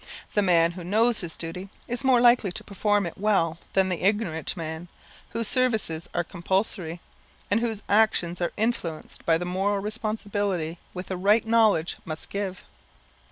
The man who knows his duty, is more likely to perform it well than the ignorant man, whose services are compulsory, and whose actions are influenced by the moral responsibility which a right knowledge must give.